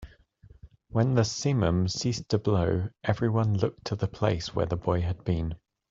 When the simum ceased to blow, everyone looked to the place where the boy had been.